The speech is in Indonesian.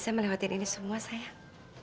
saya melewati ini semua sayang